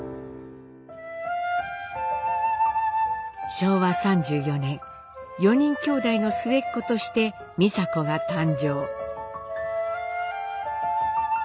昭和３４年４人きょうだいの末っ子として美佐子が誕生。